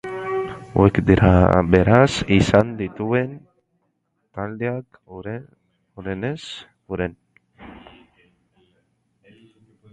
Hauek dira beraz izan dituen taldeak hurrenez hurren.